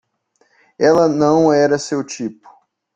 Ela não era seu tipo.